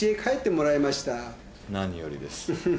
何よりです。